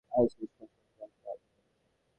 এ Suez খাল খাতস্থাপত্যের এক অদ্ভুত নিদর্শন।